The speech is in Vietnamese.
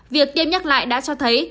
việc tiêm nhắc lại đã cho thấy